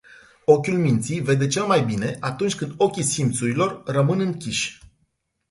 Ochiul minții vede cel mai bine atunci când ochii simțurilor rămân închiși.